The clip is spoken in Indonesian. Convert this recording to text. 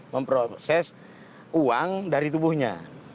memproses uang dari tubuhnya